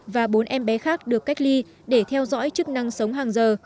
và bốn em bé khác được cách ly để theo dõi chức năng sống hàng giờ